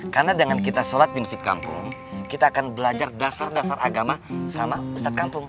karena dengan kita sholat di masjid kampung kita akan belajar dasar dasar agama sama ustadz kampung